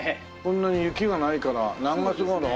こんなに雪がないから何月頃？